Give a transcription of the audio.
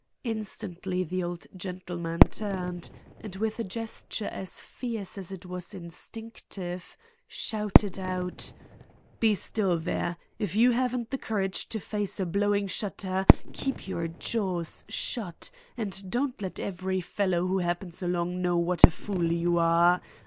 Instantly the old gentleman turned and with a gesture as fierce as it was instinctive, shouted out: "Be still there! If you haven't the courage to face a blowing shutter, keep your jaws shut and don't let every fellow who happens along know what a fool you are.